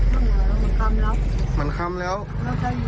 มันเหนื่อยแล้วมันคำแล้วมันคำแล้ว